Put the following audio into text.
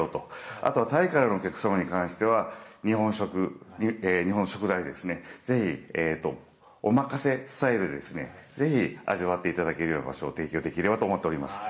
あとはタイからのお客様に関しては、日本食、日本食材、ぜひお任せスタイルで、ぜひ味わっていただけるような食を提供していければと思っております。